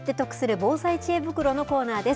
防災知恵袋のコーナーです。